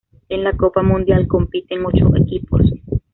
En la Copa Mundial compiten ocho equipos.